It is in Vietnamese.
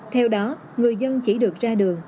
theo đó người dân chỉ được ra được